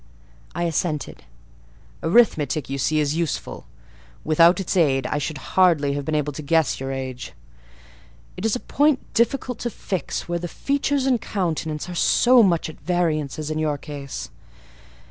I assented. "Arithmetic, you see, is useful; without its aid, I should hardly have been able to guess your age. It is a point difficult to fix where the features and countenance are so much at variance as in your case.